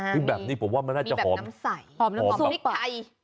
มีแบบนี้ผมว่ามันน่าจะหอมหอมน้ำสุปหอมพริกไทย